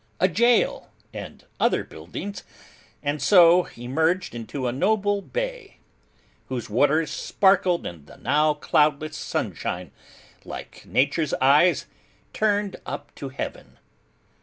a jail; and other buildings: and so emerged into a noble bay, whose waters sparkled in the now cloudless sunshine like Nature's eyes turned up to Heaven.